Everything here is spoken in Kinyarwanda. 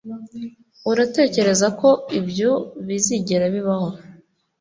uratekereza ko ibyo bizigera bibaho